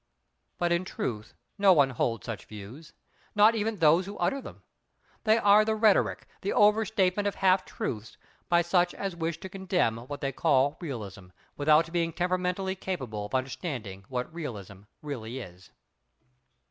But in truth, no one holds such views. Not even those who utter them. They are the rhetoric, the over statement of half truths, by such as wish to condemn what they call "Realism," without being temperamentally capable of understanding what "Realism" really is.